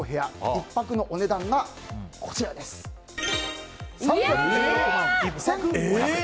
１泊のお値段が３１６万２５００円。